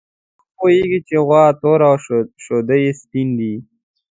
هر څوک پوهېږي چې غوا توره او شیدې یې سپینې دي.